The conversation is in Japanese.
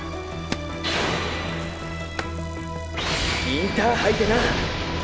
インターハイでな！